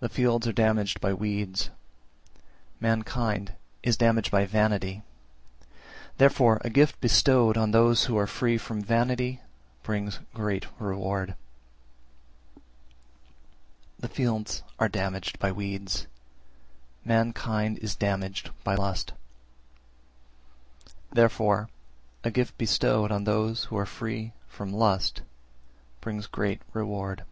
358. The fields are damaged by weeds, mankind is damaged by vanity: therefore a gift bestowed on those who are free from vanity brings great reward. 359. The fields are damaged by weeds, mankind is damaged by lust: therefore a gift bestowed on those who are free from lust brings great reward.